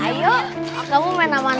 ada rufus pun sudah